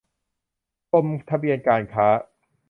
กรมทะเบียนการค้า